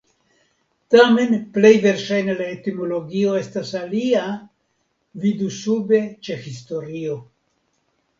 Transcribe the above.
Tamen plej verŝajne la etimologio estas alia (vidu sube ĉe Historio).